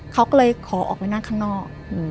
เขาก็เลยขอออกไปนั่งข้างนอก